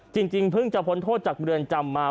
จริงเพิ่งจะพ้นโทษจากเรือนจำมา